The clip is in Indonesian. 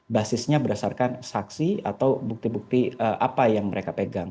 basisnya berdasarkan saksi atau bukti bukti apa yang mereka pegang